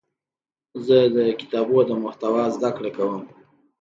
زه د کتابونو د محتوا زده کړه کوم.